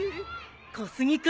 小杉君